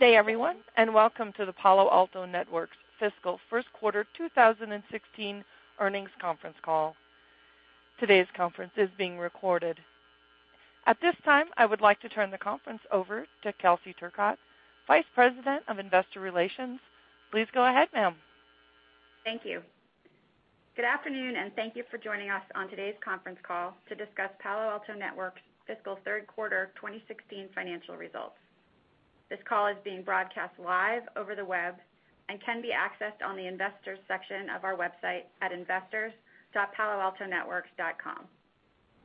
Good day everyone, and welcome to the Palo Alto Networks Fiscal third quarter 2016 Earnings Conference Call. Today's conference is being recorded. At this time, I would like to turn the conference over to Kelsey Turcotte, Vice President of Investor Relations. Please go ahead, ma'am. Thank you. Good afternoon, and thank you for joining us on today's conference call to discuss Palo Alto Networks' fiscal third quarter 2016 financial results. This call is being broadcast live over the web and can be accessed on the investors section of our website at investors.paloaltonetworks.com.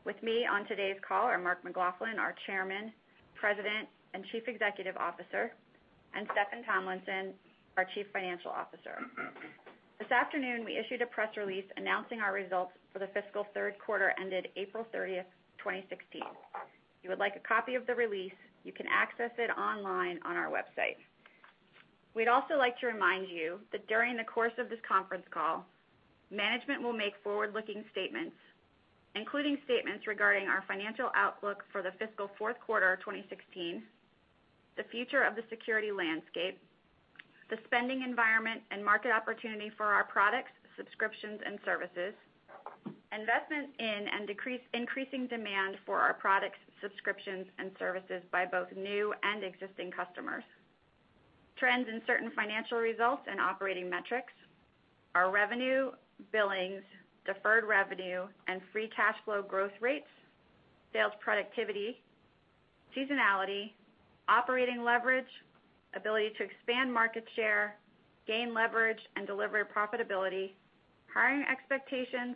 With me on today's call are Mark McLaughlin, our Chairman, President, and Chief Executive Officer, and Steffan Tomlinson, our Chief Financial Officer. This afternoon, we issued a press release announcing our results for the fiscal third quarter ended April 30th, 2016. If you would like a copy of the release, you can access it online on our website. We'd also like to remind you that during the course of this conference call, management will make forward-looking statements, including statements regarding our financial outlook for the fiscal fourth quarter of 2016, the future of the security landscape, the spending environment and market opportunity for our products, subscriptions, and services, investment in and increasing demand for our products, subscriptions, and services by both new and existing customers, trends in certain financial results and operating metrics, our revenue, billings, deferred revenue, and free cash flow growth rates, sales productivity, seasonality, operating leverage, ability to expand market share, gain leverage, and deliver profitability, hiring expectations,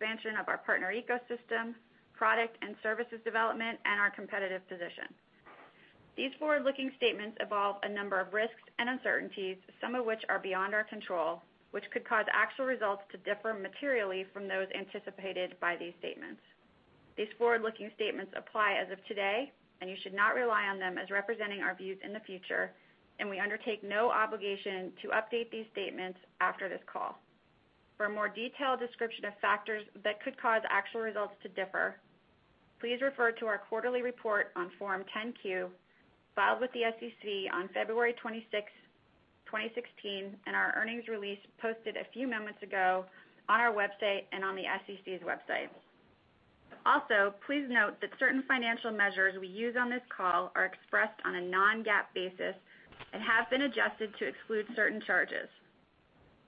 expansion of our partner ecosystem, product and services development, and our competitive position. These forward-looking statements involve a number of risks and uncertainties, some of which are beyond our control, which could cause actual results to differ materially from those anticipated by these statements. These forward-looking statements apply as of today, and you should not rely on them as representing our views in the future, and we undertake no obligation to update these statements after this call. For a more detailed description of factors that could cause actual results to differ, please refer to our quarterly report on Form 10-Q filed with the SEC on February 26, 2016, and our earnings release posted a few moments ago on our website and on the SEC's website. Please note that certain financial measures we use on this call are expressed on a non-GAAP basis and have been adjusted to exclude certain charges.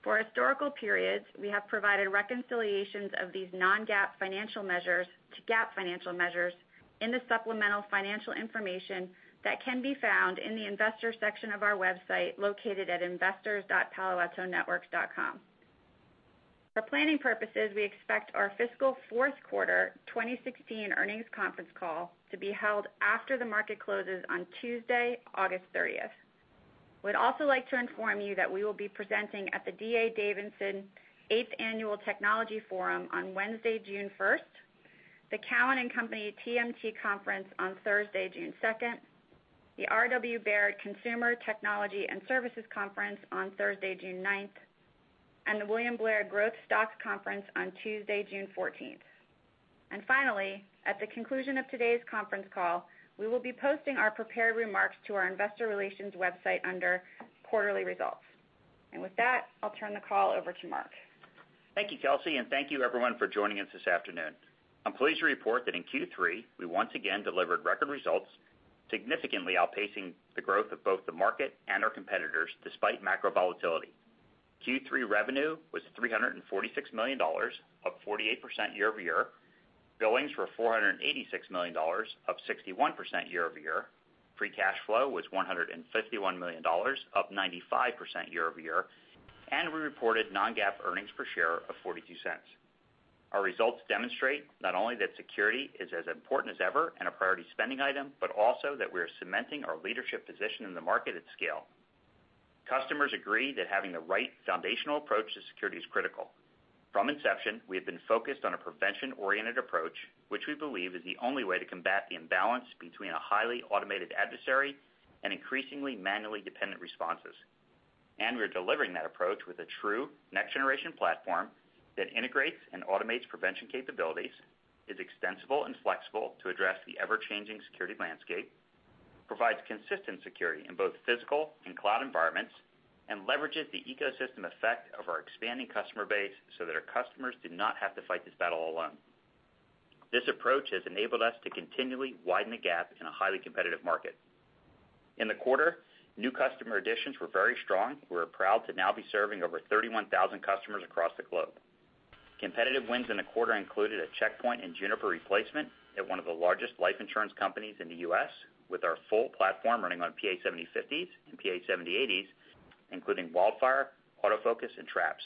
For historical periods, we have provided reconciliations of these non-GAAP financial measures to GAAP financial measures in the supplemental financial information that can be found in the investor section of our website, located at investors.paloaltonetworks.com. For planning purposes, we expect our fiscal fourth quarter 2016 earnings conference call to be held after the market closes on Tuesday, August 30th. We'd also like to inform you that we will be presenting at the D.A. Davidson Eighth Annual Technology Forum on Wednesday, June 1st, the Cowen and Company TMT Conference on Thursday, June 2nd, the R.W. Baird Consumer Technology and Services Conference on Thursday, June 9th, and the William Blair Growth Stock Conference on Tuesday, June 14th. Finally, at the conclusion of today's conference call, we will be posting our prepared remarks to our investor relations website under quarterly results. With that, I'll turn the call over to Mark. Thank you, Kelsey, and thank you everyone for joining us this afternoon. I'm pleased to report that in Q3, we once again delivered record results, significantly outpacing the growth of both the market and our competitors despite macro volatility. Q3 revenue was $346 million, up 48% year-over-year. Billings were $486 million, up 61% year-over-year. Free cash flow was $151 million, up 95% year-over-year. We reported non-GAAP earnings per share of $0.42. Our results demonstrate not only that security is as important as ever and a priority spending item, but also that we are cementing our leadership position in the market at scale. Customers agree that having the right foundational approach to security is critical. From inception, we have been focused on a prevention-oriented approach, which we believe is the only way to combat the imbalance between a highly automated adversary and increasingly manually dependent responses. We're delivering that approach with a true next-generation platform that integrates and automates prevention capabilities, is extensible and flexible to address the ever-changing security landscape, provides consistent security in both physical and cloud environments, and leverages the ecosystem effect of our expanding customer base so that our customers do not have to fight this battle alone. This approach has enabled us to continually widen the gap in a highly competitive market. In the quarter, new customer additions were very strong. We're proud to now be serving over 31,000 customers across the globe. Competitive wins in the quarter included a Check Point and Juniper replacement at one of the largest life insurance companies in the U.S. with our full platform running on PA-7050s and PA-7080s, including WildFire, AutoFocus, and Traps.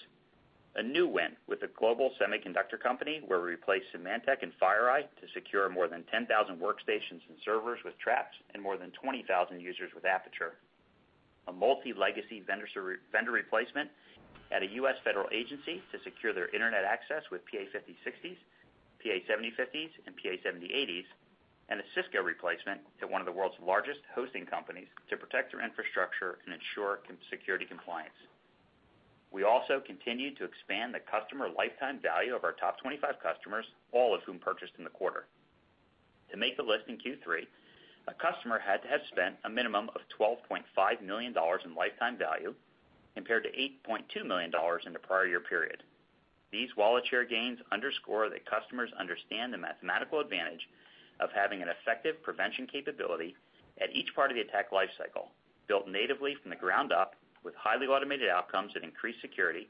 A new win with a global semiconductor company where we replaced Symantec and FireEye to secure more than 10,000 workstations and servers with Traps and more than 20,000 users with Aperture. A multi-legacy vendor replacement at a U.S. federal agency to secure their internet access with PA-5060s, PA-7050s, and PA-7080s, and a Cisco replacement at one of the world's largest hosting companies to protect their infrastructure and ensure security compliance. We also continued to expand the customer lifetime value of our top 25 customers, all of whom purchased in the quarter. To make the list in Q3, a customer had to have spent a minimum of $12.5 million in lifetime value, compared to $8.2 million in the prior year period. These wallet share gains underscore that customers understand the mathematical advantage of having an effective prevention capability at each part of the attack life cycle, built natively from the ground up with highly automated outcomes that increase security,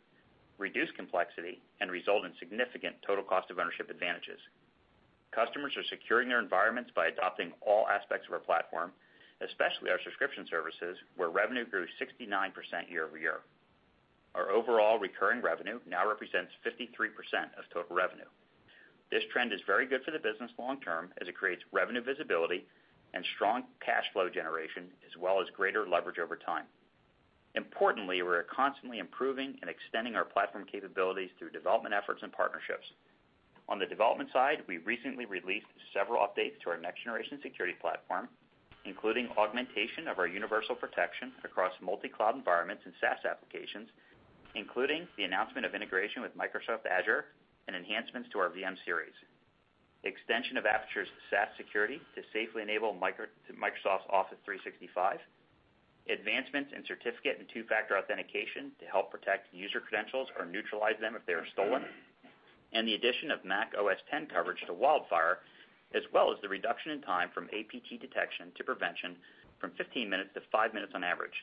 reduce complexity, and result in significant total cost of ownership advantages. Customers are securing their environments by adopting all aspects of our platform, especially our subscription services, where revenue grew 69% year-over-year. Our overall recurring revenue now represents 53% of total revenue. This trend is very good for the business long term, as it creates revenue visibility and strong cash flow generation, as well as greater leverage over time. Importantly, we are constantly improving and extending our platform capabilities through development efforts and partnerships. On the development side, we recently released several updates to our next-generation security platform, including augmentation of our universal protection across multi-cloud environments and SaaS applications, including the announcement of integration with Microsoft Azure and enhancements to our VM-Series. Extension of Aperture's SaaS security to safely enable Microsoft's Office 365, advancements in certificate and two-factor authentication to help protect user credentials or neutralize them if they are stolen, the addition of Mac OS X coverage to WildFire, as well as the reduction in time from APT detection to prevention from 15 minutes to five minutes on average.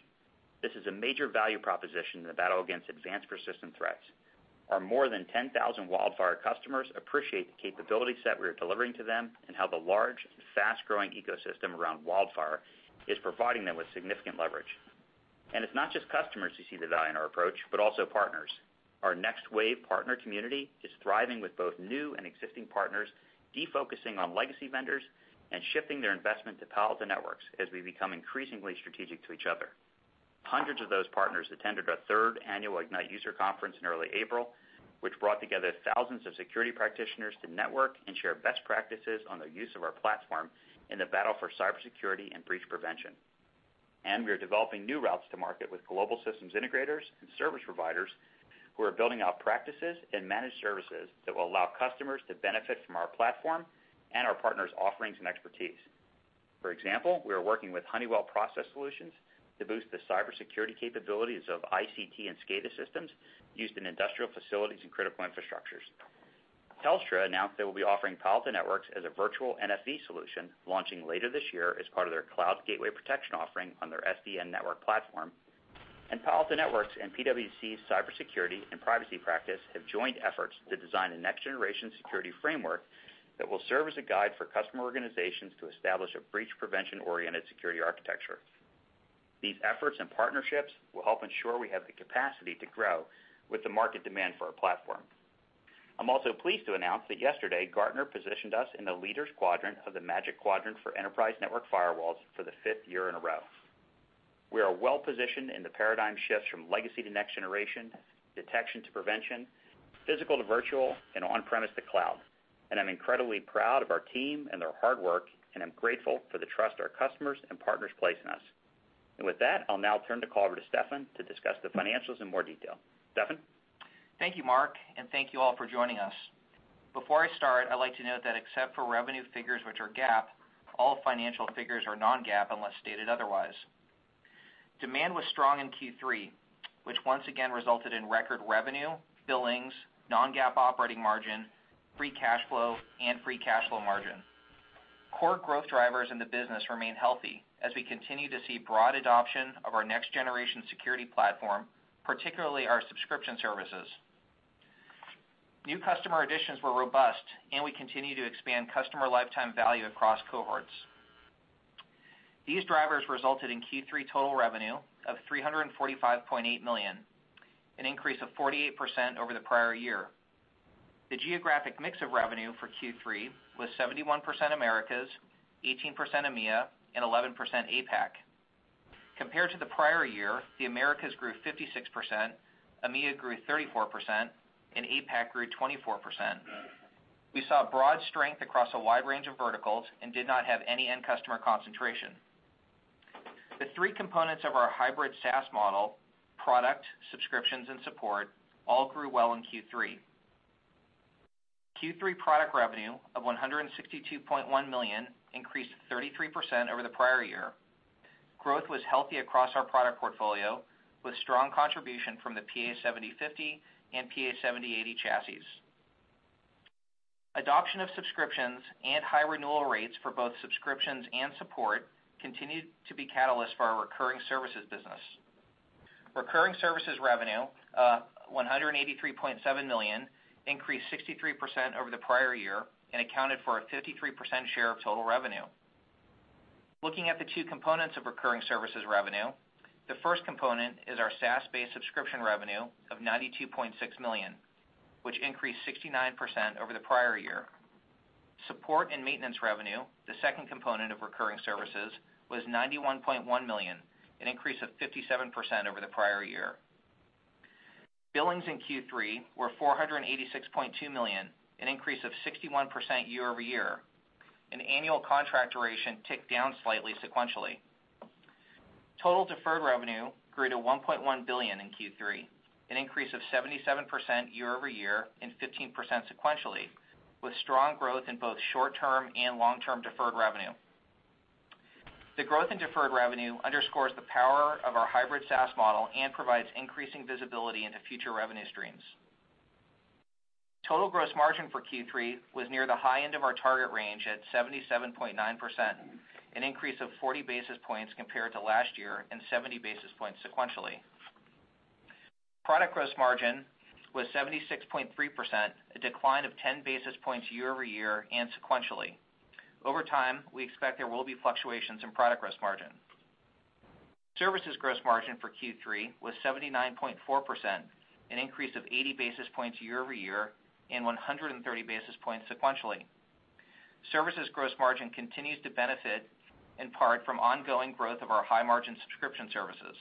This is a major value proposition in the battle against advanced persistent threats. Our more than 10,000 WildFire customers appreciate the capability set we are delivering to them and how the large, fast-growing ecosystem around WildFire is providing them with significant leverage. It's not just customers who see the value in our approach, but also partners. Our NextWave partner community is thriving with both new and existing partners, de-focusing on legacy vendors and shifting their investment to Palo Alto Networks as we become increasingly strategic to each other. Hundreds of those partners attended our third annual Ignite user conference in early April, which brought together thousands of security practitioners to network and share best practices on their use of our platform in the battle for cybersecurity and breach prevention. We are developing new routes to market with global systems integrators and service providers who are building out practices and managed services that will allow customers to benefit from our platform and our partners' offerings and expertise. For example, we are working with Honeywell Process Solutions to boost the cybersecurity capabilities of ICT and SCADA systems used in industrial facilities and critical infrastructures. Telstra announced they will be offering Palo Alto Networks as a virtual NFV solution, launching later this year as part of their cloud gateway protection offering on their SDN network platform. Palo Alto Networks and PwC's cybersecurity and privacy practice have joined efforts to design a next-generation security framework that will serve as a guide for customer organizations to establish a breach prevention-oriented security architecture. These efforts and partnerships will help ensure we have the capacity to grow with the market demand for our platform. I'm also pleased to announce that yesterday, Gartner positioned us in the Leaders quadrant of the Magic Quadrant for Enterprise Network Firewalls for the fifth year in a row. We are well-positioned in the paradigm shifts from legacy to next generation, detection to prevention, physical to virtual, and on-premise to cloud. I'm incredibly proud of our team and their hard work, and I'm grateful for the trust our customers and partners place in us. With that, I'll now turn the call over to Steffan to discuss the financials in more detail. Steffan? Thank you, Mark, and thank you all for joining us. Before I start, I'd like to note that except for revenue figures which are GAAP, all financial figures are non-GAAP unless stated otherwise. Demand was strong in Q3, which once again resulted in record revenue, billings, non-GAAP operating margin, free cash flow, and free cash flow margin. Core growth drivers in the business remain healthy as we continue to see broad adoption of our next-generation security platform, particularly our subscription services. New customer additions were robust, and we continue to expand customer lifetime value across cohorts. These drivers resulted in Q3 total revenue of $345.8 million, an increase of 48% over the prior year. The geographic mix of revenue for Q3 was 71% Americas, 18% EMEA, and 11% APAC. Compared to the prior year, the Americas grew 56%, EMEA grew 34%, and APAC grew 24%. We saw broad strength across a wide range of verticals and did not have any end customer concentration. The three components of our hybrid SaaS model, product, subscriptions, and support, all grew well in Q3. Q3 product revenue of $162.1 million increased 33% over the prior year. Growth was healthy across our product portfolio, with strong contribution from the PA-7050 and PA-7080 chassis. Adoption of subscriptions and high renewal rates for both subscriptions and support continued to be catalysts for our recurring services business. Recurring services revenue, $183.7 million, increased 63% over the prior year and accounted for a 53% share of total revenue. Looking at the two components of recurring services revenue, the first component is our SaaS-based subscription revenue of $92.6 million, which increased 69% over the prior year. Support and maintenance revenue, the second component of recurring services, was $91.1 million, an increase of 57% over the prior year. Billings in Q3 were $486.2 million, an increase of 61% year-over-year. An annual contract duration ticked down slightly sequentially. Total deferred revenue grew to $1.1 billion in Q3, an increase of 77% year-over-year and 15% sequentially, with strong growth in both short-term and long-term deferred revenue. The growth in deferred revenue underscores the power of our hybrid SaaS model and provides increasing visibility into future revenue streams. Total gross margin for Q3 was near the high end of our target range at 77.9%, an increase of 40 basis points compared to last year and 70 basis points sequentially. Product gross margin was 76.3%, a decline of 10 basis points year-over-year and sequentially. Over time, we expect there will be fluctuations in product gross margin. Services gross margin for Q3 was 79.4%, an increase of 80 basis points year-over-year and 130 basis points sequentially. Services gross margin continues to benefit in part from ongoing growth of our high-margin subscription services.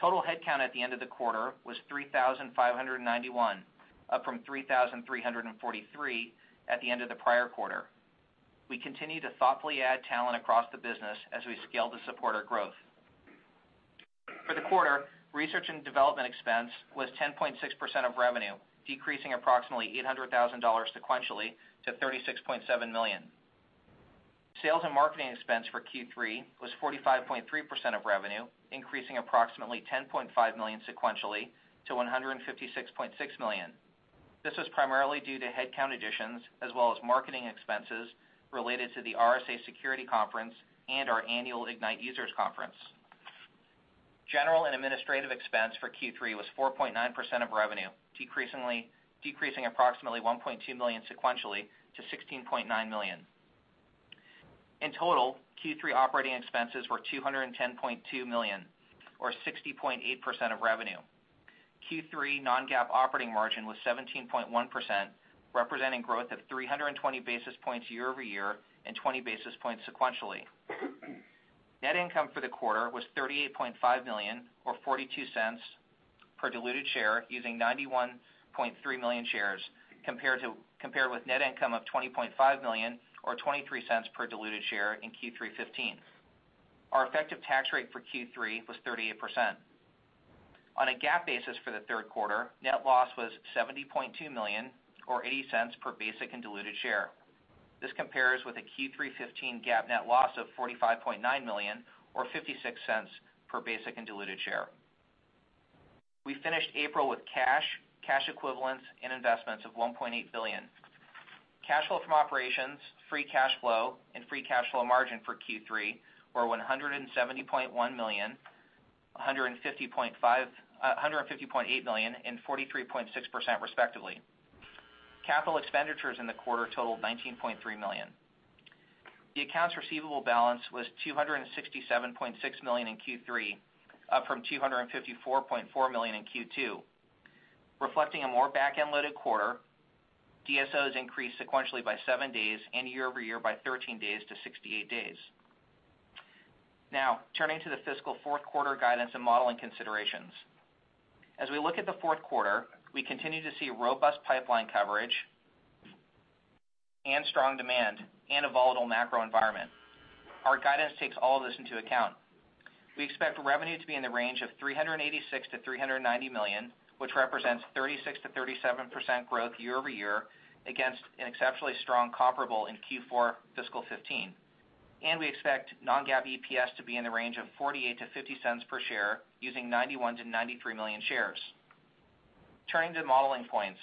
Total headcount at the end of the quarter was 3,591, up from 3,343 at the end of the prior quarter. We continue to thoughtfully add talent across the business as we scale to support our growth. For the quarter, research and development expense was 10.6% of revenue, decreasing approximately $800,000 sequentially to $36.7 million. Sales and marketing expense for Q3 was 45.3% of revenue, increasing approximately $10.5 million sequentially to $156.6 million. This was primarily due to headcount additions as well as marketing expenses related to the RSA Conference and our annual Ignite users conference. General and administrative expense for Q3 was 4.9% of revenue, decreasing approximately $1.2 million sequentially to $16.9 million. Total, Q3 operating expenses were $210.2 million, or 60.8% of revenue. Q3 non-GAAP operating margin was 17.1%, representing growth of 320 basis points year-over-year and 20 basis points sequentially. Net income for the quarter was $38.5 million or $0.42 per diluted share using 91.3 million shares compared with net income of $20.5 million or $0.23 per diluted share in Q3 2015. Our effective tax rate for Q3 was 38%. On a GAAP basis for the third quarter, net loss was $70.2 million or $0.80 per basic and diluted share. This compares with a Q3 2015 GAAP net loss of $45.9 million or $0.56 per basic and diluted share. We finished April with cash equivalents, and investments of $1.8 billion. Cash flow from operations, free cash flow, and free cash flow margin for Q3 were $170.1 million, $150.8 million, and 43.6% respectively. Capital expenditures in the quarter totaled $19.3 million. The accounts receivable balance was $267.6 million in Q3, up from $254.4 million in Q2. Reflecting a more back-end-loaded quarter, DSOs increased sequentially by seven days and year-over-year by 13 days to 68 days. Turning to the fiscal fourth quarter guidance and modeling considerations. We look at the fourth quarter, we continue to see robust pipeline coverage and strong demand and a volatile macro environment. Our guidance takes all this into account. We expect revenue to be in the range of $386 million-$390 million, which represents 36%-37% growth year-over-year against an exceptionally strong comparable in Q4 fiscal 2015. We expect non-GAAP EPS to be in the range of $0.48-$0.50 per share using 91 million-93 million shares. Turning to modeling points.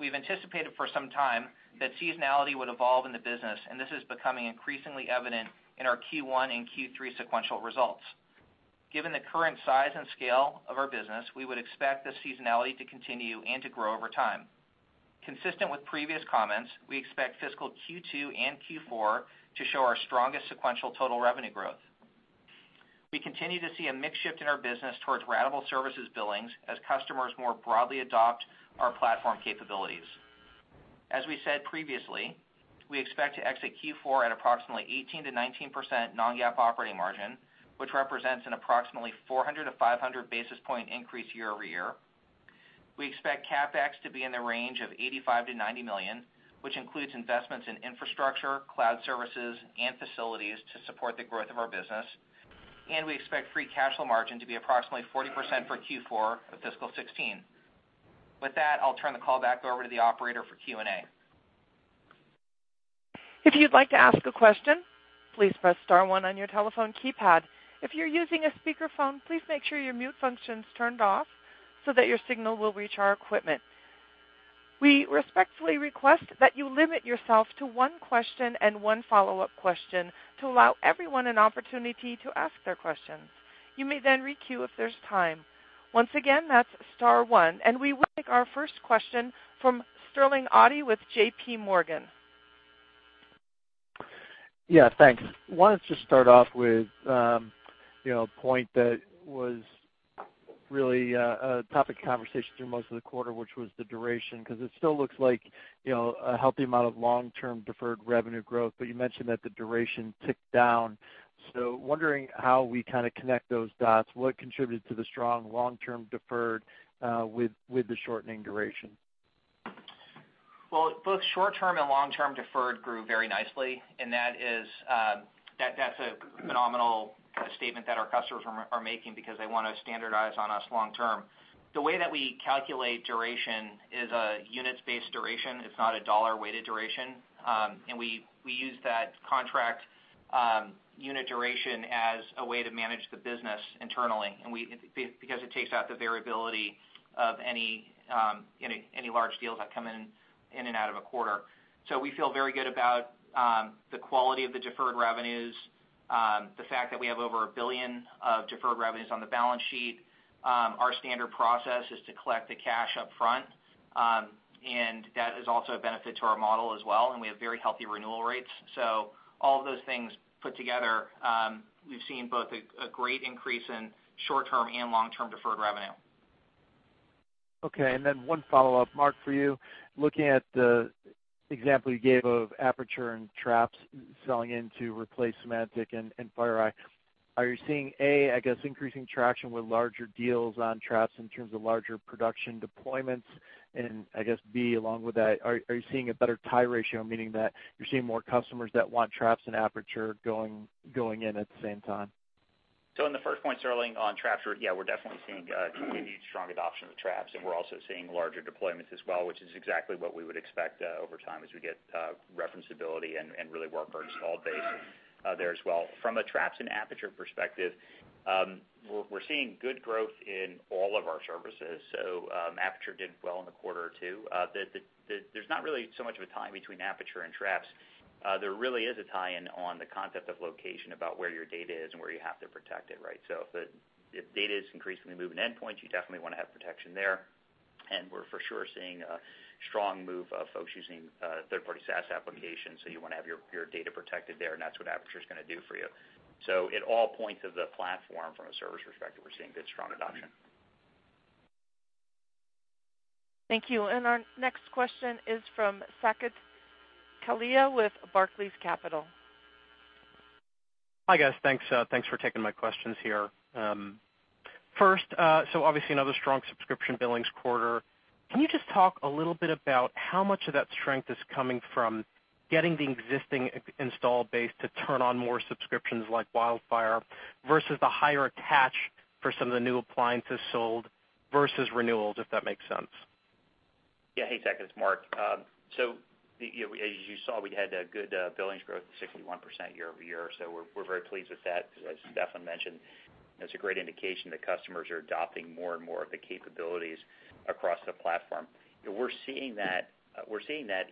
We've anticipated for some time that seasonality would evolve in the business, and this is becoming increasingly evident in our Q1 and Q3 sequential results. The current size and scale of our business, we would expect this seasonality to continue and to grow over time. Consistent with previous comments, we expect fiscal Q2 and Q4 to show our strongest sequential total revenue growth. We continue to see a mix shift in our business towards ratable services billings as customers more broadly adopt our platform capabilities. We said previously, we expect to exit Q4 at approximately 18%-19% non-GAAP operating margin, which represents an approximately 400-500 basis point increase year-over-year. We expect CapEx to be in the range of $85 million-$90 million, which includes investments in infrastructure, cloud services, and facilities to support the growth of our business. We expect free cash flow margin to be approximately 40% for Q4 of fiscal 2016. With that, I'll turn the call back over to the operator for Q&A. If you'd like to ask a question, please press star one on your telephone keypad. If you're using a speakerphone, please make sure your mute function's turned off so that your signal will reach our equipment. We respectfully request that you limit yourself to one question and one follow-up question to allow everyone an opportunity to ask their questions. You may then re-queue if there's time. Once again, that's star one, and we will take our first question from Sterling Auty with J.P. Morgan. Yeah, thanks. Wanted to start off with a point that was really a topic of conversation through most of the quarter, which was the duration. It still looks like a healthy amount of long-term deferred revenue growth, but you mentioned that the duration ticked down. Wondering how we connect those dots. What contributed to the strong long-term deferred with the shortening duration? Well, both short-term and long-term deferred grew very nicely, and that's a phenomenal statement that our customers are making because they want to standardize on us long-term. The way that we calculate duration is a units-based duration. It's not a dollar-weighted duration. We use that contract unit duration as a way to manage the business internally, because it takes out the variability of any large deals that come in and out of a quarter. We feel very good about the quality of the deferred revenues, the fact that we have over $1 billion of deferred revenues on the balance sheet. Our standard process is to collect the cash upfront, and that is also a benefit to our model as well, and we have very healthy renewal rates. All of those things put together, we've seen both a great increase in short-term and long-term deferred revenue. Okay, one follow-up, Mark, for you. Looking at the example you gave of Aperture and Traps selling in to replace Symantec and FireEye, are you seeing, A, I guess, increasing traction with larger deals on Traps in terms of larger production deployments? B, along with that, are you seeing a better tie ratio, meaning that you're seeing more customers that want Traps and Aperture going in at the same time? On the first point, Sterling, on Traps, yeah, we're definitely seeing continued strong adoption of Traps, we're also seeing larger deployments as well, which is exactly what we would expect over time as we get referenceability and really work our installed base there as well. From a Traps and Aperture perspective, we're seeing good growth in all of our services. Aperture did well in the quarter, too. There's not really so much of a tie-in between Aperture and Traps. There really is a tie-in on the concept of location about where your data is and where you have to protect it. If data is increasingly moving to endpoints, you definitely want to have protection there. We're for sure seeing a strong move of folks using third-party SaaS applications, you want to have your data protected there, and that's what Aperture's going to do for you. It all points to the platform from a service perspective. We're seeing good, strong adoption. Thank you. Our next question is from Saket Kalia with Barclays Capital. Hi, guys. Thanks for taking my questions here. First, obviously another strong subscription billings quarter. Can you just talk a little bit about how much of that strength is coming from getting the existing installed base to turn on more subscriptions like WildFire versus the higher attach for some of the new appliances sold versus renewals, if that makes sense? Yeah. Hey, Saket. It's Mark. As you saw, we had a good billings growth, 61% year-over-year. We're very pleased with that because as Steffan mentioned, that's a great indication that customers are adopting more and more of the capabilities across the platform. We're seeing that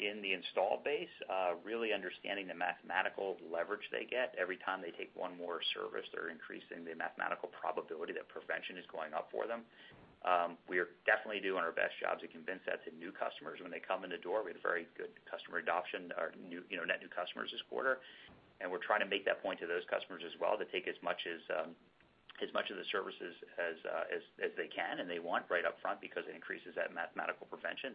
in the installed base, really understanding the mathematical leverage they get every time they take one more service, they're increasing the mathematical probability that prevention is going up for them. We are definitely doing our best job to convince that to new customers when they come in the door. We had a very good customer adoption, our net new customers this quarter, we're trying to make that point to those customers as well, to take as much of the services as they can and they want right up front because it increases that mathematical prevention.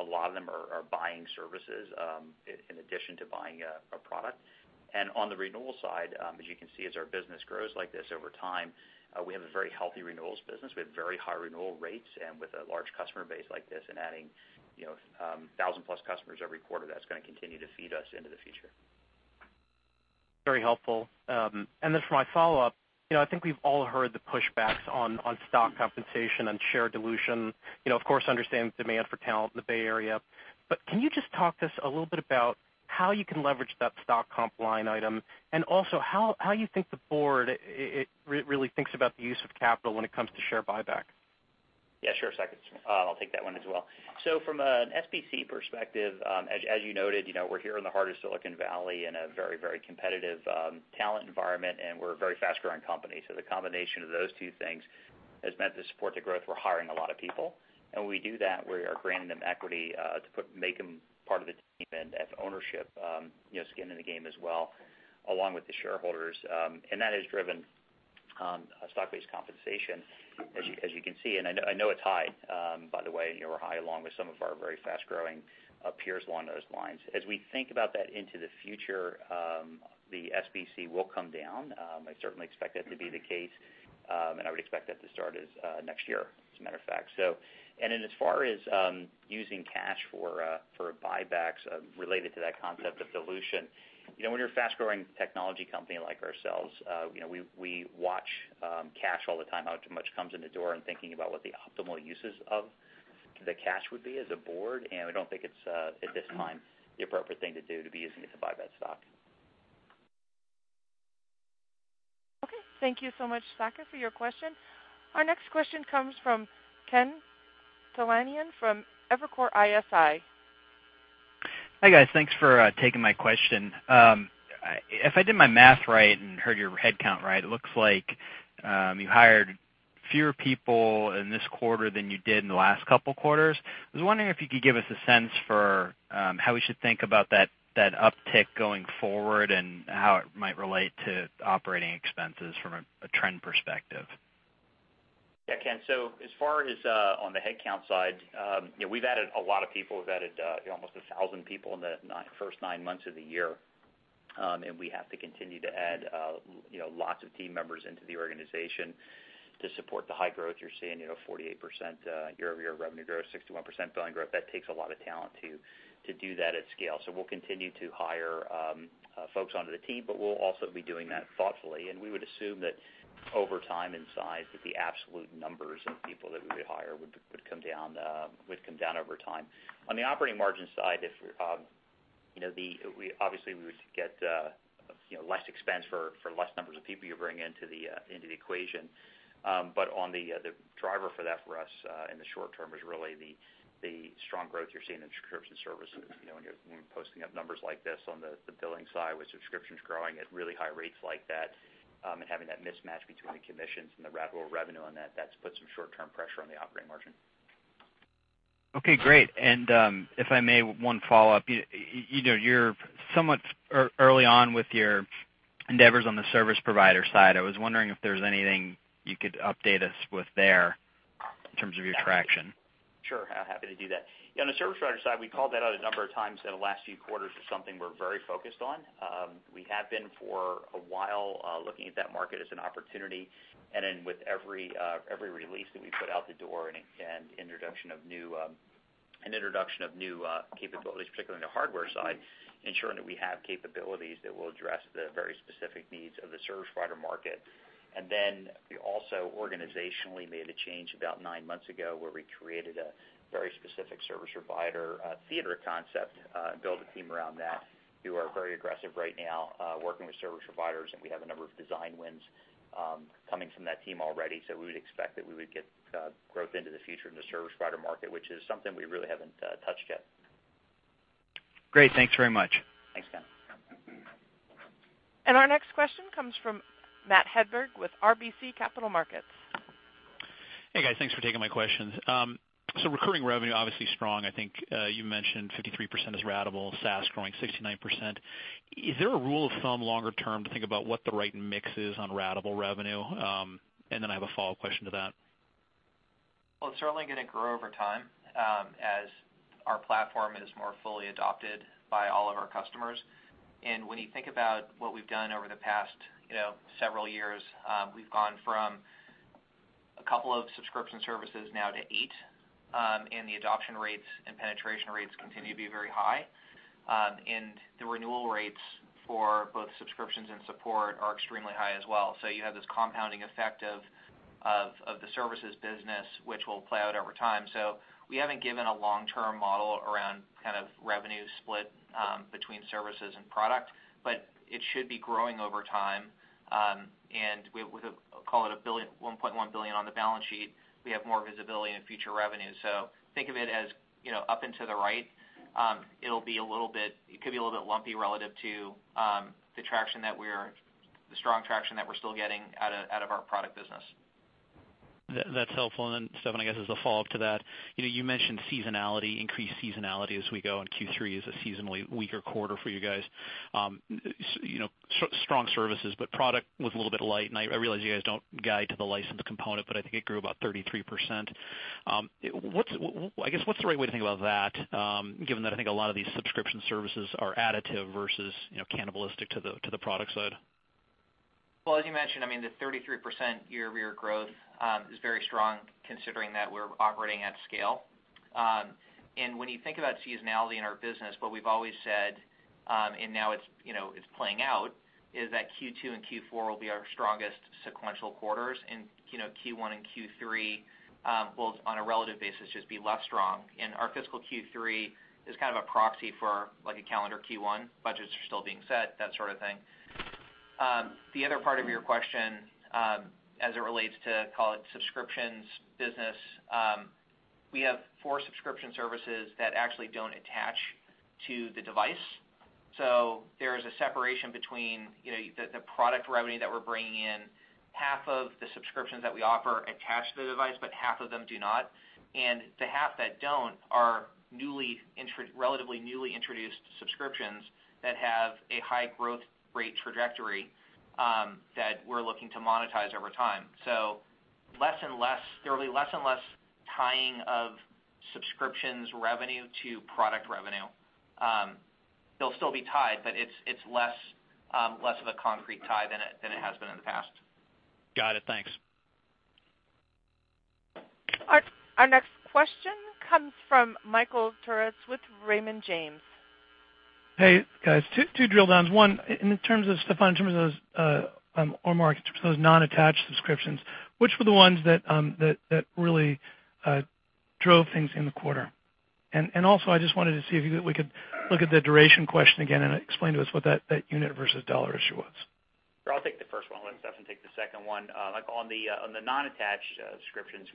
A lot of them are buying services in addition to buying a product. On the renewal side, as you can see, as our business grows like this over time, we have a very healthy renewals business. We have very high renewal rates, with a large customer base like this and adding 1,000-plus customers every quarter, that's going to continue to feed us into the future. Very helpful. For my follow-up, I think we've all heard the pushbacks on stock compensation and share dilution. Of course, understand the demand for talent in the Bay Area. Can you just talk to us a little bit about how you can leverage that stock comp line item, and also how you think the board really thinks about the use of capital when it comes to share buyback? Sure, Saket. I'll take that one as well. From an SBC perspective, as you noted, we're here in the heart of Silicon Valley in a very competitive talent environment. We're a very fast-growing company. The combination of those two things has meant to support the growth, we're hiring a lot of people. When we do that, we are granting them equity to make them part of the team and have ownership, skin in the game as well, along with the shareholders. That has driven stock-based compensation, as you can see, and I know it's high, by the way. We're high along with some of our very fast-growing peers along those lines. As we think about that into the future, the SBC will come down. I certainly expect that to be the case. I would expect that to start next year, as a matter of fact. As far as using cash for buybacks related to that concept of dilution, when you're a fast-growing technology company like ourselves, we watch cash all the time, how much comes in the door, and thinking about what the optimal uses of the cash would be as a board. We don't think it's, at this time, the appropriate thing to do to be using it to buy back stock. Okay. Thank you so much, Saket, for your question. Our next question comes from Ken Talanian from Evercore ISI. Hi, guys. Thanks for taking my question. If I did my math right and heard your head count right, it looks like you hired fewer people in this quarter than you did in the last couple quarters. I was wondering if you could give us a sense for how we should think about that uptick going forward and how it might relate to operating expenses from a trend perspective. Yeah, Ken. As far as on the headcount side, we've added a lot of people. We've added almost 1,000 people in the first nine months of the year. We have to continue to add lots of team members into the organization to support the high growth you're seeing, 48% year-over-year revenue growth, 61% billing growth. That takes a lot of talent to do that at scale. We'll continue to hire folks onto the team, we'll also be doing that thoughtfully, we would assume that over time and size, that the absolute numbers of people that we would hire would come down over time. On the operating margin side, obviously we would get less expense for less numbers of people you bring into the equation. On the driver for that for us in the short term is really the strong growth you're seeing in subscription services. When you're posting up numbers like this on the billing side with subscriptions growing at really high rates like that, having that mismatch between the commissions and the ratable revenue on that's put some short-term pressure on the operating margin. Okay, great. If I may, one follow-up. You're somewhat early on with your endeavors on the service provider side. I was wondering if there's anything you could update us with there in terms of your traction. Sure. Happy to do that. On the service provider side, we called that out a number of times in the last few quarters as something we're very focused on. We have been for a while, looking at that market as an opportunity. With every release that we put out the door and introduction of new capabilities, particularly on the hardware side, ensuring that we have capabilities that will address the very specific needs of the service provider market. We also organizationally made a change about nine months ago where we created a very specific service provider theater concept and built a team around that who are very aggressive right now, working with service providers, we have a number of design wins coming from that team already. We would expect that we would get growth into the future in the service provider market, which is something we really haven't touched yet. Great. Thanks very much. Thanks, Ken. Our next question comes from Matthew Hedberg with RBC Capital Markets. Hey, guys. Thanks for taking my questions. Recurring revenue, obviously strong. I think you mentioned 53% is ratable, SaaS growing 69%. Is there a rule of thumb longer term to think about what the right mix is on ratable revenue? I have a follow-up question to that. Well, it's certainly going to grow over time, as our platform is more fully adopted by all of our customers. When you think about what we've done over the past several years, we've gone from a couple of subscription services now to eight, the adoption rates and penetration rates continue to be very high. The renewal rates for both subscriptions and support are extremely high as well. You have this compounding effect of the services business, which will play out over time. We haven't given a long-term model around revenue split between services and product, but it should be growing over time. With, call it $1.1 billion on the balance sheet, we have more visibility in future revenue. Think of it as up and to the right. It could be a little bit lumpy relative to the strong traction that we're still getting out of our product business. That's helpful. Steffan, I guess as a follow-up to that, you mentioned seasonality, increased seasonality as we go, Q3 is a seasonally weaker quarter for you guys. Strong services, product was a little bit light, I realize you guys don't guide to the license component, but I think it grew about 33%. I guess, what's the right way to think about that, given that I think a lot of these subscription services are additive versus cannibalistic to the product side? Well, as you mentioned, the 33% year-over-year growth is very strong considering that we're operating at scale. When you think about seasonality in our business, what we've always said, and now it's playing out, is that Q2 and Q4 will be our strongest sequential quarters, and Q1 and Q3 will, on a relative basis, just be less strong. Our fiscal Q3 is kind of a proxy for a calendar Q1. Budgets are still being set, that sort of thing. The other part of your question, as it relates to, call it subscriptions business, we have four subscription services that actually don't attach to the device. There is a separation between the product revenue that we're bringing in. Half of the subscriptions that we offer attach to the device, but half of them do not. The half that don't are relatively newly introduced subscriptions that have a high growth rate trajectory that we're looking to monetize over time. There will be less and less tying of subscriptions revenue to product revenue. They'll still be tied, but it's less of a concrete tie than it has been in the past. Got it. Thanks. Our next question comes from Michael Turits with Raymond James. Hey, guys. Two drill downs. One, Steffan, in terms of those or Mark, in terms of those non-attached subscriptions, which were the ones that really drove things in the quarter? Also, I just wanted to see if we could look at the duration question again and explain to us what that unit versus dollar issue was. Sure. I'll take the first one. We'll let Steffan take the second one. On the non-attached subscriptions,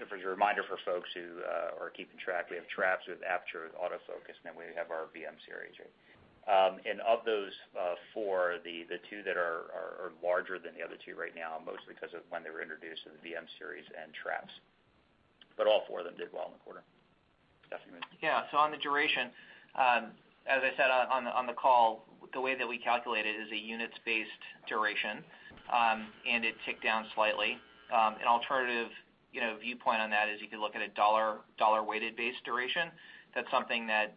as a reminder for folks who are keeping track, we have Traps with Aperture, AutoFocus, and then we have our VM-Series. Of those four, the two that are larger than the other two right now, mostly because of when they were introduced, are the VM-Series and Traps. All four of them did well in the quarter. Yeah. On the duration, as I said on the call, the way that we calculate it is a units-based duration, and it ticked down slightly. An alternative viewpoint on that is you could look at a dollar-weighted base duration. That's something that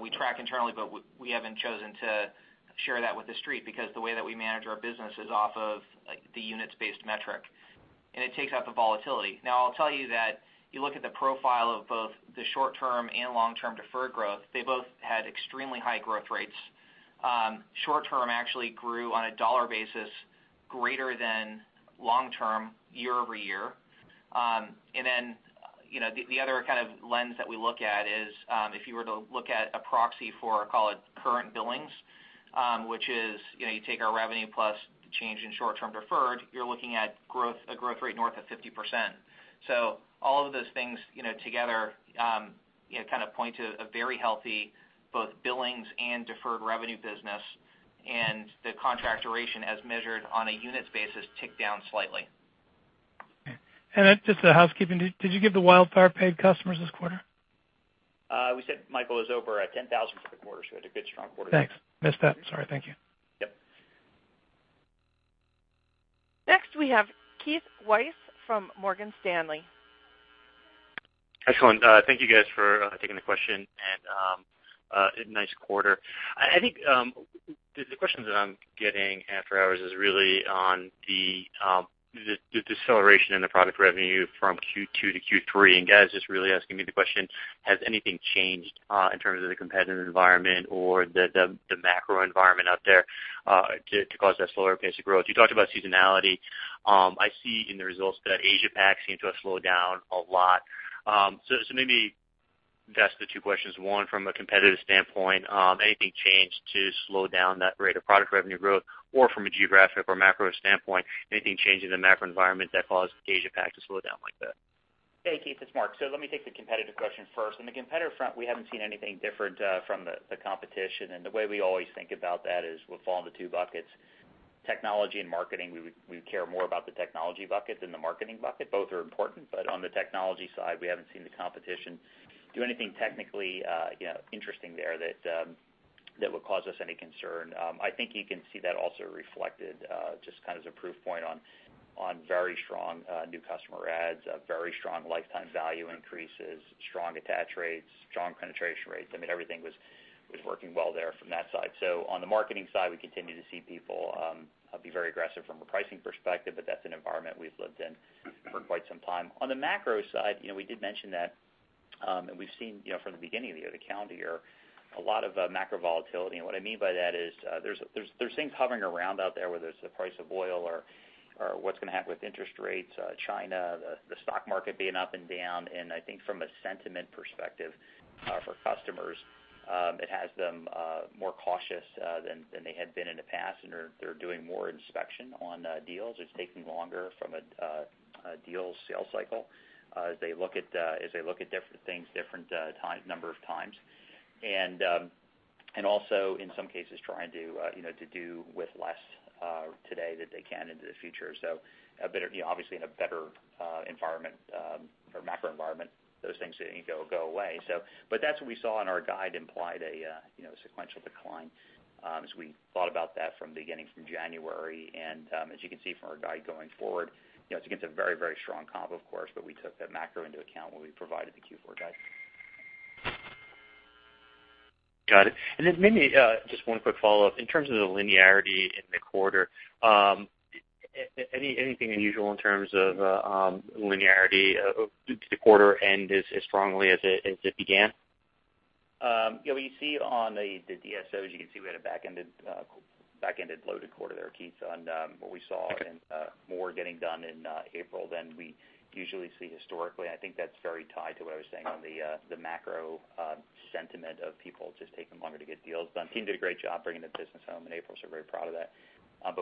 we track internally, but we haven't chosen to share that with the street, because the way that we manage our business is off of the units-based metric, and it takes out the volatility. Now, I'll tell you that you look at the profile of both the short-term and long-term deferred growth, they both had extremely high growth rates. Short-term actually grew on a dollar basis greater than long-term year-over-year. Then the other kind of lens that we look at is, if you were to look at a proxy for, call it current billings, which is you take our revenue plus the change in short-term deferred, you're looking at a growth rate north of 50%. All of those things together kind of point to a very healthy both billings and deferred revenue business, and the contract duration as measured on a units basis ticked down slightly. Okay. Just a housekeeping. Did you give the WildFire paid customers this quarter? We said, Michael, it was over 10,000 for the quarter, we had a good, strong quarter there. Thanks. Missed that. Sorry. Thank you. Yep. Next, we have Keith Weiss from Morgan Stanley. Excellent. Thank you, guys, for taking the question. Nice quarter. I think the questions that I'm getting after hours is really on the deceleration in the product revenue from Q2 to Q3, and guys just really asking me the question, has anything changed in terms of the competitive environment or the macro environment out there to cause that slower pace of growth? You talked about seasonality. I see in the results that Asia-Pac seemed to have slowed down a lot. Maybe that's the two questions. One, from a competitive standpoint, anything changed to slow down that rate of product revenue growth? Or from a geographic or macro standpoint, anything changed in the macro environment that caused Asia-Pac to slow down like that? Keith, it's Mark. Let me take the competitive question first. On the competitor front, we haven't seen anything different from the competition, and the way we always think about that is we'll fall into two buckets. Technology and marketing, we care more about the technology bucket than the marketing bucket. Both are important, but on the technology side, we haven't seen the competition do anything technically interesting there that would cause us any concern. I think you can see that also reflected just kind of as a proof point on very strong new customer adds, very strong lifetime value increases, strong attach rates, strong penetration rates. I mean, everything was working well there from that side. On the marketing side, we continue to see people be very aggressive from a pricing perspective, but that's an environment we've lived in for quite some time. On the macro side, we did mention that, and we've seen from the beginning of the year, the calendar year, a lot of macro volatility. What I mean by that is there's things hovering around out there, whether it's the price of oil or what's going to happen with interest rates, China, the stock market being up and down. I think from a sentiment perspective for customers, it has them more cautious than they had been in the past, and they're doing more inspection on deals. It's taking longer from a deal sale cycle as they look at different things different number of times. Also, in some cases, trying to do with less today that they can into the future. Obviously in a better environment, or macro environment, those things go away. That's what we saw in our guide implied a sequential decline as we thought about that from beginning from January. As you can see from our guide going forward, it's against a very strong comp, of course, but we took that macro into account when we provided the Q4 guide. Got it. Then maybe just one quick follow-up. In terms of the linearity in the quarter, anything unusual in terms of linearity? Did the quarter end as strongly as it began? Yeah, what you see on the DSOs, you can see we had a back-ended loaded quarter there, Keith, on what we saw. Okay We saw more getting done in April than we usually see historically. I think that's very tied to what I was saying on the macro sentiment of people just taking longer to get deals done. Team did a great job bringing the business home in April, very proud of that.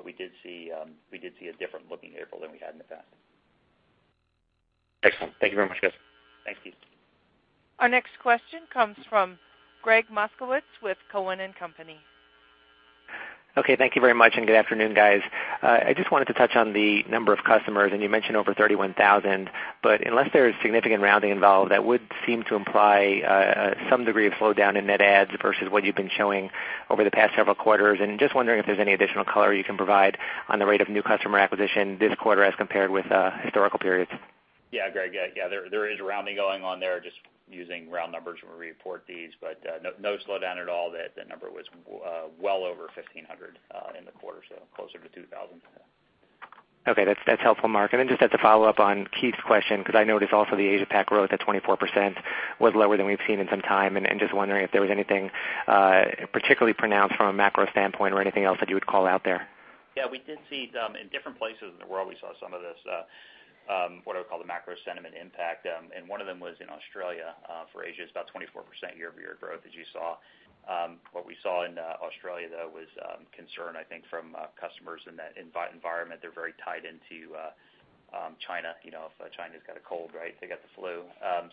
We did see a different looking April than we had in the past. Excellent. Thank you very much, guys. Thanks, Keith. Our next question comes from Gregg Moskowitz with Cowen and Company. Okay. Thank you very much, and good afternoon, guys. I just wanted to touch on the number of customers, and you mentioned over 31,000. Unless there is significant rounding involved, that would seem to imply some degree of slowdown in net adds versus what you've been showing over the past several quarters. Just wondering if there's any additional color you can provide on the rate of new customer acquisition this quarter as compared with historical periods. Yeah, Gregg. There is rounding going on there, just using round numbers when we report these, but no slowdown at all. That number was well over 1,500 in the quarter, so closer to 2,000. Okay. That's helpful, Mark. Just had to follow up on Keith's question because I noticed also the Asia Pac growth at 24% was lower than we've seen in some time. Just wondering if there was anything particularly pronounced from a macro standpoint or anything else that you would call out there? Yeah, we did see in different places in the world, we saw some of this, what I would call the macro sentiment impact. One of them was in Australia for Asia. It's about 24% year-over-year growth, as you saw. What we saw in Australia, though, was concern, I think, from customers in that environment. They're very tied into China. If China's got a cold, they got the flu.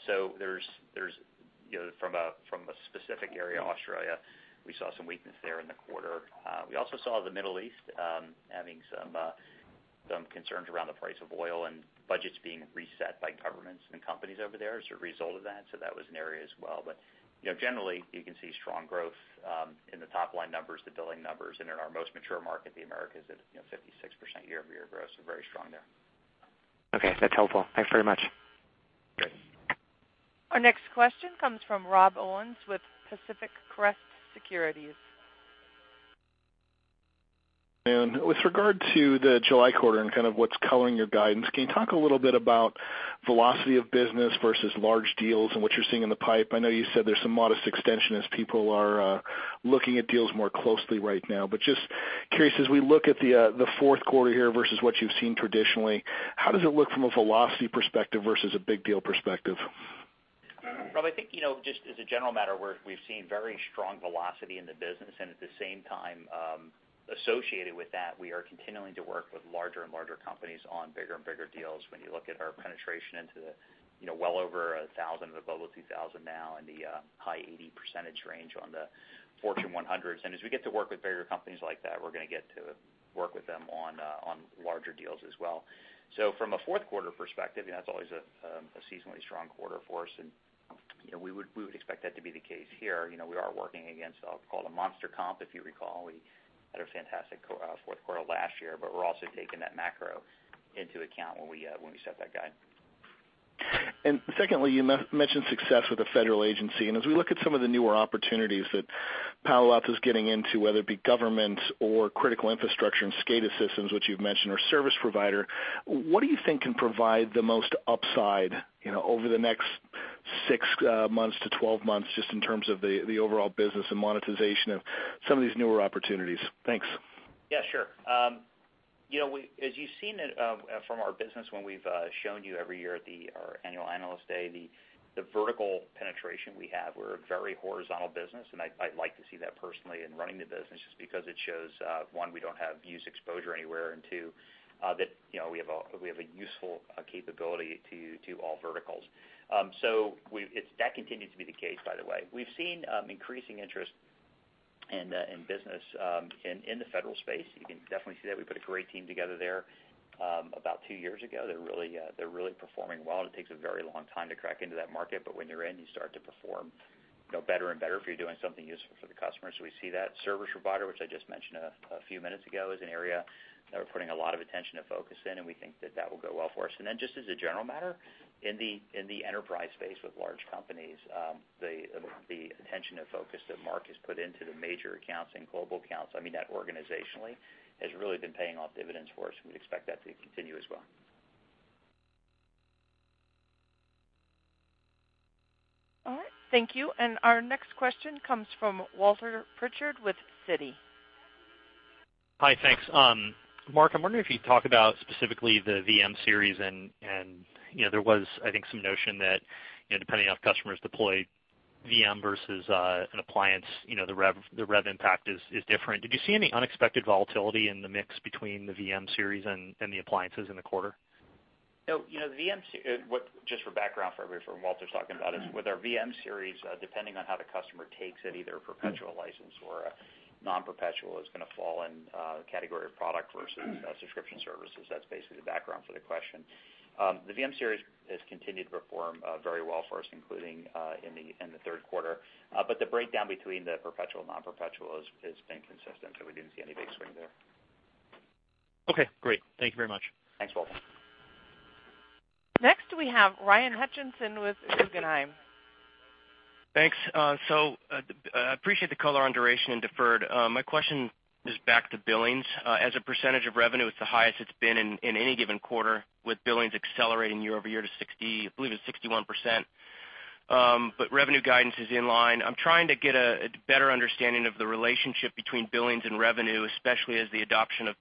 From a specific area, Australia, we saw some weakness there in the quarter. We also saw the Middle East having some concerns around the price of oil and budgets being reset by governments and companies over there as a result of that. That was an area as well. Generally, you can see strong growth in the top-line numbers, the billing numbers, and in our most mature market, the Americas, at 56% year-over-year growth. Very strong there. Okay, that's helpful. Thanks very much. Okay. Our next question comes from Rob Owens with Pacific Crest Securities. With regard to the July quarter and kind of what's coloring your guidance, can you talk a little bit about velocity of business versus large deals and what you're seeing in the pipe? I know you said there's some modest extension as people are looking at deals more closely right now, but just curious, as we look at the fourth quarter here versus what you've seen traditionally, how does it look from a velocity perspective versus a big deal perspective? Rob, I think, just as a general matter, we've seen very strong velocity in the business, at the same time, associated with that, we are continuing to work with larger and larger companies on bigger and bigger deals. When you look at our penetration into well over 1,000, above 2,000 now in the high 80% range on the Fortune 100s. As we get to work with bigger companies like that, we're going to get to work with them on larger deals as well. From a fourth quarter perspective, that's always a seasonally strong quarter for us, and we would expect that to be the case here. We are working against what I'll call a monster comp, if you recall. We had a fantastic fourth quarter last year, we're also taking that macro into account when we set that guide. Secondly, you mentioned success with the federal agency, as we look at some of the newer opportunities that Palo Alto Networks's getting into, whether it be government or critical infrastructure and SCADA systems, which you've mentioned, or service provider, what do you think can provide the most upside over the next 6 months to 12 months, just in terms of the overall business and monetization of some of these newer opportunities? Thanks. Yes, sure. As you've seen it from our business when we've shown you every year at our annual Analyst Day, the vertical penetration we have, we're a very horizontal business, and I like to see that personally in running the business just because it shows, one, we don't have use exposure anywhere, and two, that we have a useful capability to all verticals. That continues to be the case, by the way. We've seen increasing interest in business in the federal space. You can definitely see that we put a great team together there about two years ago. They're really performing well, and it takes a very long time to crack into that market, but when you're in, you start to perform better and better if you're doing something useful for the customer. We see that. Service provider, which I just mentioned a few minutes ago, is an area that we're putting a lot of attention and focus in, and we think that that will go well for us. Just as a general matter, in the enterprise space with large companies, the attention and focus that Mark has put into the major accounts and global accounts, I mean that organizationally, has really been paying off dividends for us, we'd expect that to continue as well. All right. Thank you. Our next question comes from Walter Pritchard with Citi. Hi. Thanks. Mark, I'm wondering if you'd talk about specifically the VM-Series and there was, I think, some notion that depending on if customers deployed VM versus an appliance the rev impact is different. Did you see any unexpected volatility in the mix between the VM-Series and the appliances in the quarter? Just for background for everybody, for what Walter's talking about is with our VM-Series, depending on how the customer takes it, either a perpetual license or a non-perpetual, is going to fall in the category of product versus subscription services. That's basically the background for the question. The VM-Series has continued to perform very well for us, including in the third quarter. The breakdown between the perpetual, non-perpetual has been consistent, so we didn't see any big swing there. Okay, great. Thank you very much. Thanks, Walter. Next we have Ryan Hutchinson with Guggenheim. Thanks. I appreciate the color on duration and deferred. My question is back to billings. As a percentage of revenue, it's the highest it's been in any given quarter with billings accelerating year-over-year to I believe it's 61%, revenue guidance is in line. I'm trying to get a better understanding of the relationship between billings and revenue, especially as the adoption of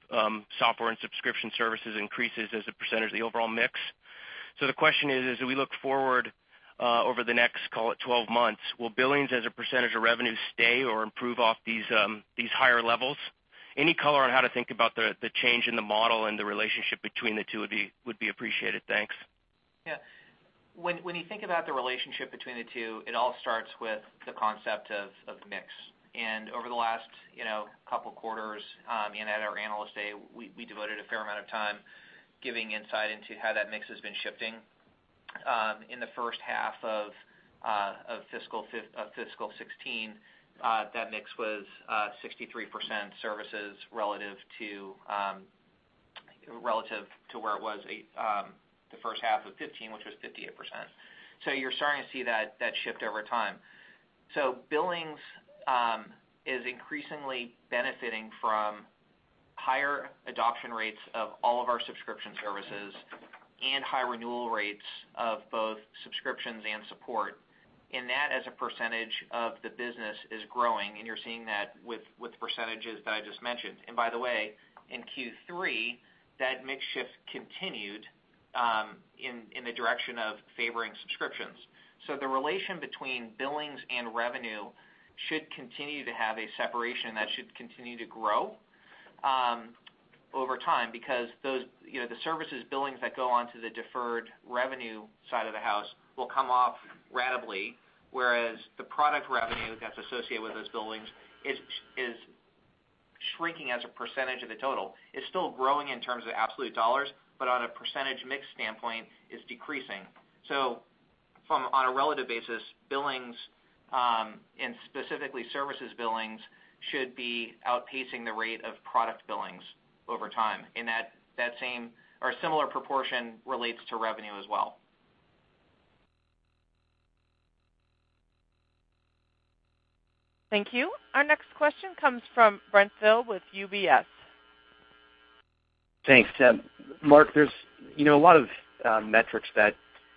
software and subscription services increases as a percentage of the overall mix. The question is: As we look forward over the next, call it 12 months, will billings as a percentage of revenue stay or improve off these higher levels? Any color on how to think about the change in the model and the relationship between the two would be appreciated. Thanks. Yeah. When you think about the relationship between the two, it all starts with the concept of mix. Over the last couple of quarters and at our Analyst Day, we devoted a fair amount of time giving insight into how that mix has been shifting. In the first half of fiscal 2016, that mix was 63% services relative to where it was the first half of fiscal 2015, which was 58%. You're starting to see that shift over time. Billings is increasingly benefiting from higher adoption rates of all of our subscription services and high renewal rates of both subscriptions and support. That as a percentage of the business is growing, and you're seeing that with the percentages that I just mentioned. By the way, in Q3, that mix shift continued in the direction of favoring subscriptions. The relation between billings and revenue should continue to have a separation that should continue to grow over time because the services billings that go onto the deferred revenue side of the house will come off ratably, whereas the product revenue that's associated with those billings is shrinking as a percentage of the total. It's still growing in terms of absolute dollars, on a percentage mix standpoint, it's decreasing. From on a relative basis, billings, and specifically services billings, should be outpacing the rate of product billings over time, and that same or similar proportion relates to revenue as well. Thank you. Our next question comes from Brent Thill with UBS. Thanks. Mark, there's a lot of metrics that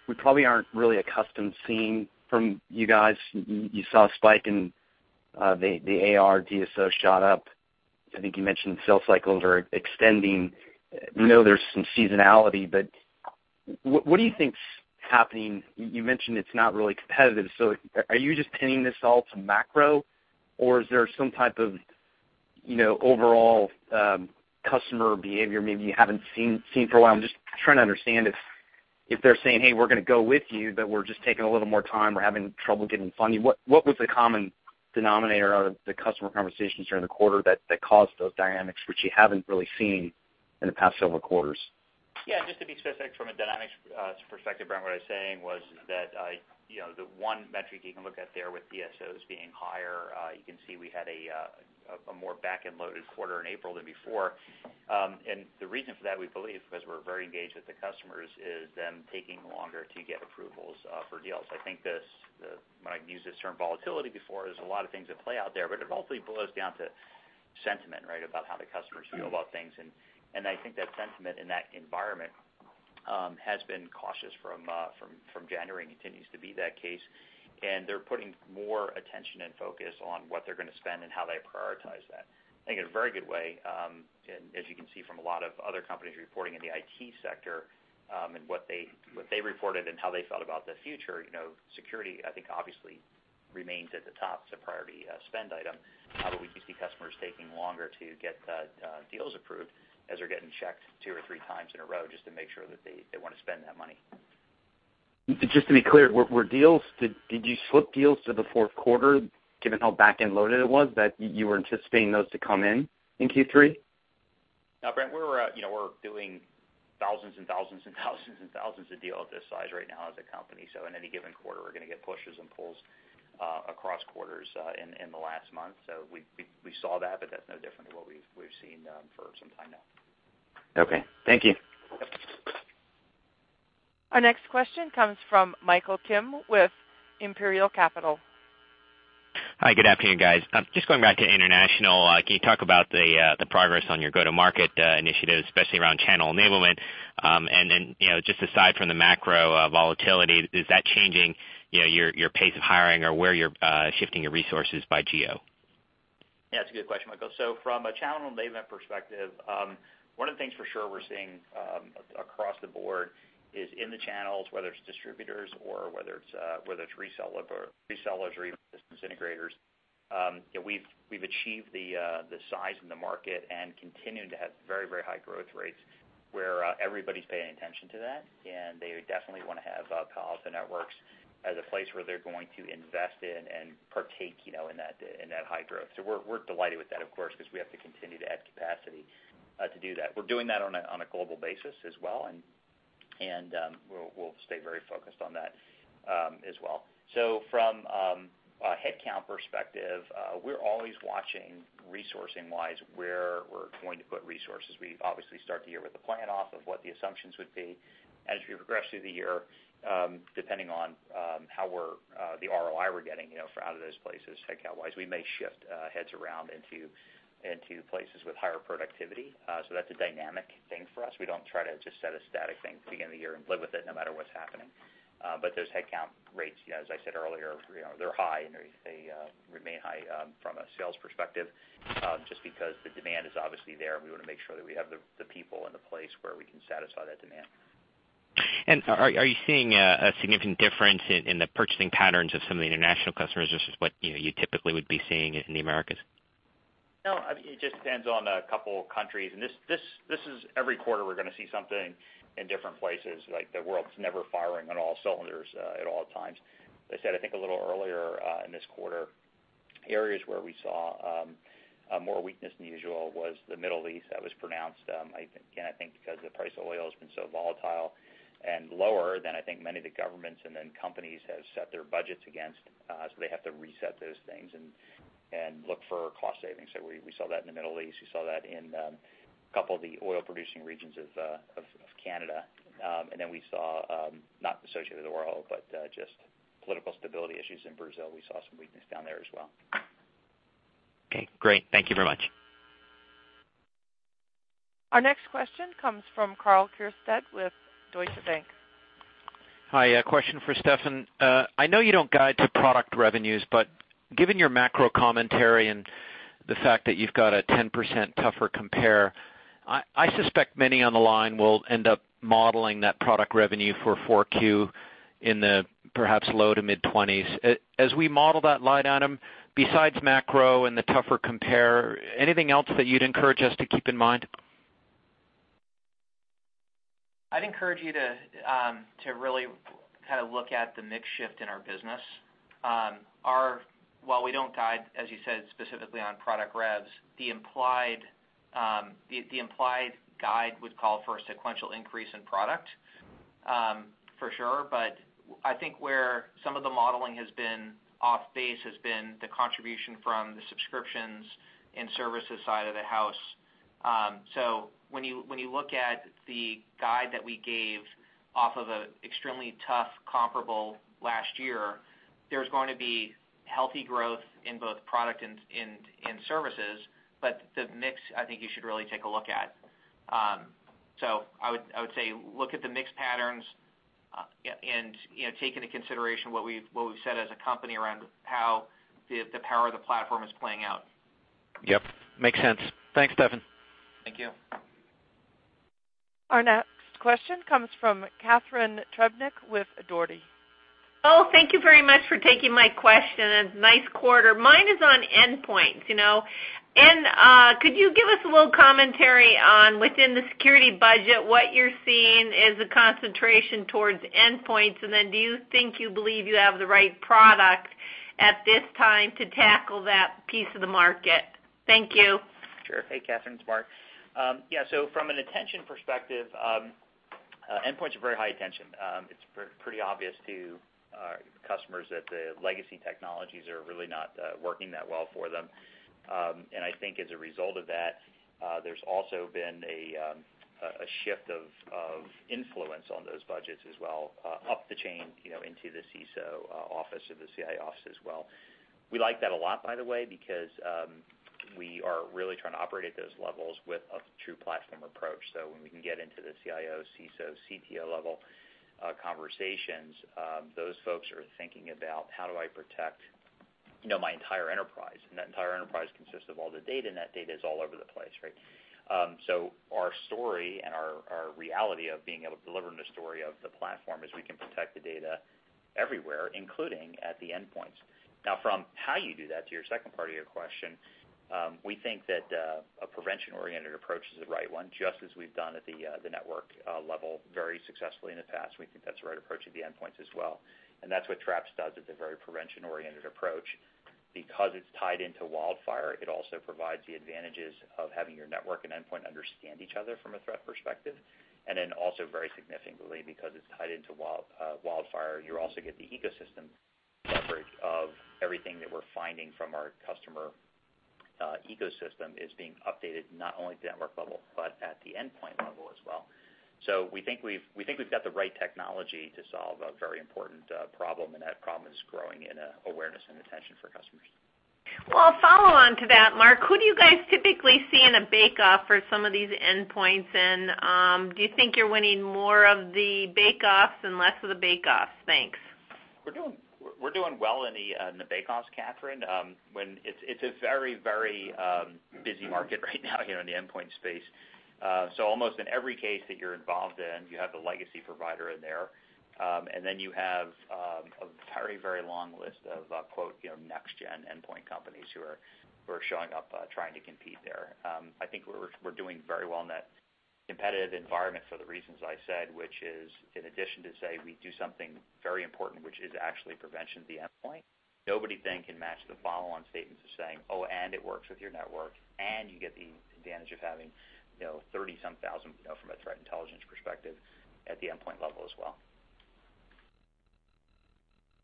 we probably aren't really accustomed seeing from you guys. You saw a spike in the AR, DSO shot up. I think you mentioned sales cycles are extending. We know there's some seasonality. What do you think's happening? You mentioned it's not really competitive. Are you just pinning this all to macro? Is there some type of overall customer behavior maybe you haven't seen for a while? I'm just trying to understand if they're saying, "Hey, we're going to go with you, but we're just taking a little more time. We're having trouble getting funding." What was the common denominator out of the customer conversations during the quarter that caused those dynamics which you haven't really seen in the past several quarters? Just to be specific from a Dynamics perspective, Brent, what I was saying was that the one metric you can look at there with DSOs being higher, you can see we had a more backend-loaded quarter in April than before. The reason for that, we believe, because we're very engaged with the customers, is them taking longer to get approvals for deals. I think when I've used this term volatility before, there's a lot of things at play out there, but it ultimately boils down to sentiment, right? About how the customers feel about things. I think that sentiment and that environment has been cautious from January and continues to be that case. They're putting more attention and focus on what they're going to spend and how they prioritize that. I think in a very good way, as you can see from a lot of other companies reporting in the IT sector, what they reported and how they felt about the future, security, I think, obviously remains at the top. It's a priority spend item. However, we do see customers taking longer to get deals approved as they're getting checked two or three times in a row just to make sure that they want to spend that money. Just to be clear, did you slip deals to the fourth quarter, given how backend loaded it was, that you were anticipating those to come in in Q3? No, Brent, we're doing thousands and thousands of deals this size right now as a company. In any given quarter, we're going to get pushes and pulls across quarters in the last month. We saw that's no different to what we've seen for some time now. Okay. Thank you. Our next question comes from Michael Kim with Imperial Capital. Hi, good afternoon, guys. Just going back to international, can you talk about the progress on your go-to-market initiatives, especially around channel enablement? Just aside from the macro volatility, is that changing your pace of hiring or where you're shifting your resources by geo? Yeah, that's a good question, Michael. From a channel enablement perspective, one of the things for sure we're seeing across the board is in the channels, whether it's distributors or whether it's resellers or even business integrators. We've achieved the size in the market and continuing to have very high growth rates where everybody's paying attention to that, and they definitely want to have Palo Alto Networks as a place where they're going to invest in and partake in that high growth. We're delighted with that, of course, because we have to continue to add capacity to do that. We're doing that on a global basis as well, and we'll stay very focused on that as well. From a headcount perspective, we're always watching resourcing-wise where we're going to put resources. We obviously start the year with a plan off of what the assumptions would be. As we progress through the year, depending on the ROI we're getting out of those places headcount-wise, we may shift heads around into places with higher productivity. That's a dynamic thing for us. We don't try to just set a static thing at the beginning of the year and live with it no matter what's happening. Those headcount rates, as I said earlier, they're high, and they remain high from a sales perspective, just because the demand is obviously there, and we want to make sure that we have the people and the place where we can satisfy that demand. Are you seeing a significant difference in the purchasing patterns of some of the international customers versus what you typically would be seeing in the Americas? No, it just depends on a couple of countries. This is every quarter we're going to see something in different places. Like, the world's never firing on all cylinders at all times. As I said, I think a little earlier in this quarter, areas where we saw more weakness than usual was the Middle East. That was pronounced, again, I think because the price of oil has been so volatile and lower than I think many of the governments and then companies have set their budgets against. They have to reset those things and look for cost savings. We saw that in the Middle East. We saw that in a couple of the oil-producing regions of Canada. Then we saw, not associated with oil, but just political stability issues in Brazil. We saw some weakness down there as well. Okay, great. Thank you very much. Our next question comes from Karl Keirstead with Deutsche Bank. Hi. A question for Steffan. Given your macro commentary and the fact that you've got a 10% tougher compare, I suspect many on the line will end up modeling that product revenue for 4Q in the perhaps low to mid-20s. As we model that line item, besides macro and the tougher compare, anything else that you'd encourage us to keep in mind? I'd encourage you to really look at the mix shift in our business. While we don't guide, as you said, specifically on product revs, the implied guide would call for a sequential increase in product, for sure. I think where some of the modeling has been off base has been the contribution from the subscriptions and services side of the house. When you look at the guide that we gave off of an extremely tough comparable last year, there's going to be healthy growth in both product and services. The mix, I think you should really take a look at. I would say look at the mix patterns, and take into consideration what we've said as a company around how the power of the platform is playing out. Yep. Makes sense. Thanks, Steffan. Thank you. Our next question comes from Catharine Trebnick with Dougherty. Thank you very much for taking my question, nice quarter. Mine is on endpoints. Could you give us a little commentary on, within the security budget, what you're seeing as a concentration towards endpoints? Do you think you believe you have the right product at this time to tackle that piece of the market? Thank you. Sure. Hey, Catharine, it's Mark. From an attention perspective, endpoints are very high attention. It's pretty obvious to our customers that the legacy technologies are really not working that well for them. I think as a result of that, there's also been a shift of influence on those budgets as well up the chain into the CISO office or the CIO office as well. We like that a lot, by the way, because we are really trying to operate at those levels with a true platform approach. When we can get into the CIO, CISO, CTO-level conversations, those folks are thinking about, how do I protect my entire enterprise? That entire enterprise consists of all the data, and that data is all over the place, right? Our story and our reality of being able to deliver on the story of the platform is we can protect the data everywhere, including at the endpoints. Now, from how you do that, to your second part of your question, we think that a prevention-oriented approach is the right one, just as we've done at the network level very successfully in the past. We think that's the right approach at the endpoints as well. That's what Traps does. It's a very prevention-oriented approach. Because it's tied into WildFire, it also provides the advantages of having your network and endpoint understand each other from a threat perspective. Then also very significantly, because it's tied into WildFire, you also get the ecosystem leverage of everything that we're finding from our customer ecosystem is being updated not only at the network level, but at the endpoint level as well. We think we've got the right technology to solve a very important problem, that problem is growing in awareness and attention for customers. Well, a follow-on to that, Mark. Who do you guys typically see in a bake-off for some of these endpoints? Do you think you're winning more of the bake-offs than less of the bake-offs? Thanks. We're doing well in the bake-offs, Catharine. It's a very busy market right now here in the endpoint space. Almost in every case that you're involved in, you have the legacy provider in there, you have a very long list of, quote, "next-gen endpoint companies" who are showing up trying to compete there. I think we're doing very well in that competitive environment for the reasons I said, which is in addition to, say, we do something very important, which is actually prevention at the endpoint, nobody then can match the follow-on statements of saying, "Oh, and it works with your network, and you get the advantage of having 30-some thousand from a threat intelligence perspective at the endpoint level as well.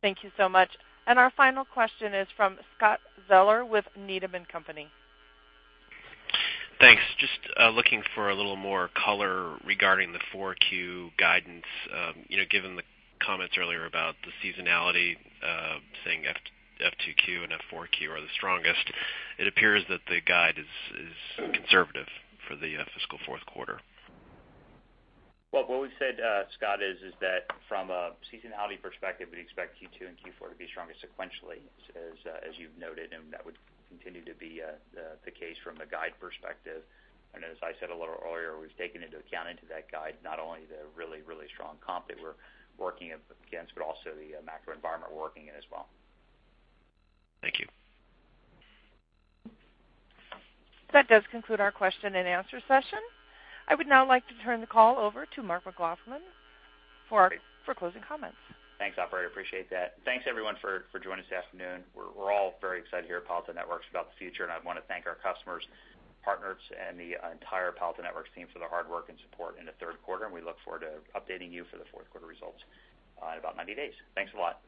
Thank you so much. Our final question is from Scott Zeller with Needham & Company. Thanks. Just looking for a little more color regarding the 4Q guidance. Given the comments earlier about the seasonality, saying F2Q and F4Q are the strongest, it appears that the guide is conservative for the fiscal fourth quarter. Well, what we've said, Scott, is that from a seasonality perspective, we'd expect Q2 and Q4 to be stronger sequentially, as you've noted, that would continue to be the case from a guide perspective. As I said a little earlier, we've taken into account into that guide not only the really strong comp that we're working against, but also the macro environment we're working in as well. Thank you. That does conclude our question and answer session. I would now like to turn the call over to Mark McLaughlin for closing comments. Thanks, operator. Appreciate that. Thanks, everyone, for joining this afternoon. We're all very excited here at Palo Alto Networks about the future, and I want to thank our customers, partners, and the entire Palo Alto Networks team for their hard work and support in the third quarter, and we look forward to updating you for the fourth quarter results in about 90 days. Thanks a lot.